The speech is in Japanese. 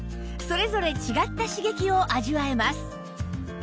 それぞれ違った刺激を味わえます